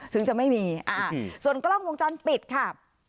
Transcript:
ถึงจะไม่มีส่วนกล้องวงจรปิดค่ะ